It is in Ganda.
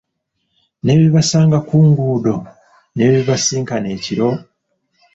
Ne be basanga ku nguudo, ne be basisinkana ekiro?